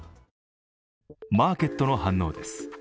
マーケットの反応です。